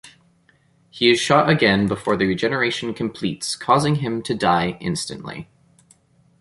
He is shot again before the regeneration completes, causing him to die instantly.